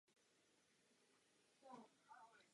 Po druhé světové válce nastal nedostatek nových trolejbusů.